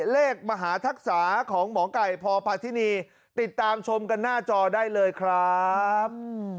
เลขมหาทักษะของหมอไก่พพธินีติดตามชมกันหน้าจอได้เลยครับ